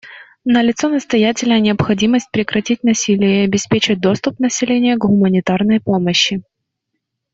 Налицо настоятельная необходимость прекратить насилие и обеспечить доступ населения к гуманитарной помощи.